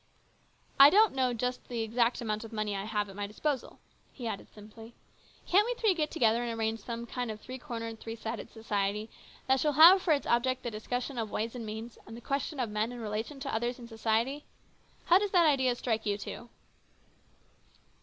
I don't know just the exact amount of money I have at my disposal," he added simply. " Can't we three get together and arrange some kind of a three cornered, three sided society that shall have for its object 164 HIS BROTHER'S KEEPER. the discussion of ways and means, and the questions of men in relation to others in society ? How does that idea strike you two